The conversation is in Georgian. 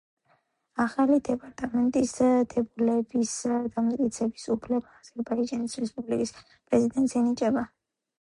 ახალი დეპარტამენტის დებულების დამტკიცების უფლება აზერბაიჯანის რესპუბლიკის პრეზიდენტს ენიჭება.